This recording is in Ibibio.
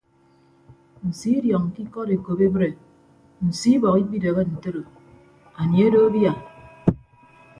Nso idiọñ ke ikọd ekop ebre nso ibọk ikpidehe ntoro anie edo abia.